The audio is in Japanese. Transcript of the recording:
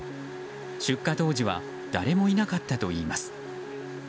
出火当時は誰もいなかったといいます。